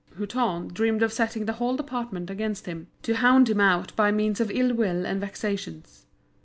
Hutin dreamed of setting the whole department against him, to hound him out by means of ill will and vexations.